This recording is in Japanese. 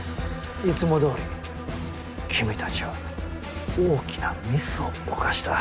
いつも通り君たちは大きなミスを犯した。